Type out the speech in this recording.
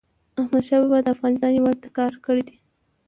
احمدشاه بابا د افغانستان یووالي ته کار کړی دی.